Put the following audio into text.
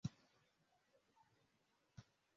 Umuntu wambaye ikoti ryirabura agwa mu rubura